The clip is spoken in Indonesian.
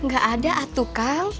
gak ada ah tuh kang